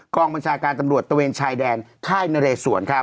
กองบัญชาการตำรวจตะเวนชายแดนค่ายนเรสวนครับ